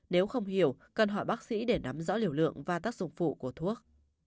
nếu không hiểu cần hỏi bác sĩ để nắm rõ liều lượng và tác dụng phụ của thuốc